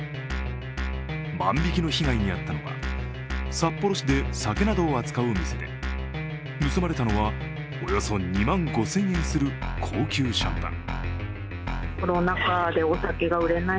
万引きの被害に遭ったのは札幌市で酒などを扱う店で盗まれたのは、およそ２万５０００円する高級シャンパン。